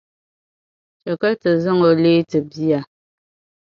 Chɛ ka ti zaŋ o n-leei ti bia.